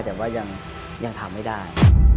แต่ว่ายังทำไม่ได้